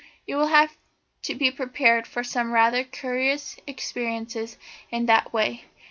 You will have to be prepared for some rather curious experiences in that way.